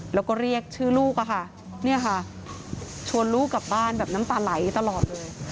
แล้วก็เรียกชื่อลูกชวนลูกกลับบ้านแบบน้ำตาไหลตลอด